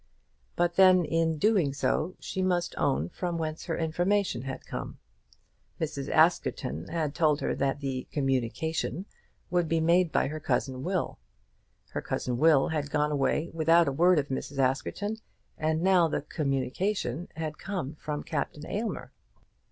But then in doing so she must own from whence her information had come. Mrs. Askerton had told her that the "communication" would be made by her cousin Will. Her cousin Will had gone away without a word of Mrs. Askerton, and now the "communication" had come from Captain Aylmer!